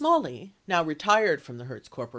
474 Smalley (now retired from the Hertz Corp.)